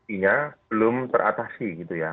ini ya belum teratasi gitu ya